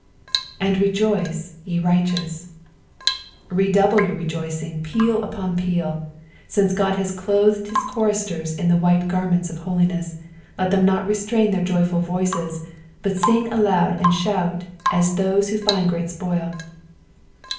" And re joia, ye righteaiit," redouble your rejoicing, peal ntM>n peal. Since Ood has clothed Ilia choristers in the white garments of holmes;, let them not restrain their joyful voices, but sing aloud and shout ua those who £nd great apoit.